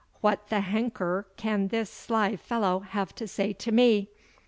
"What the HENKER can this sly fellow have to say to me?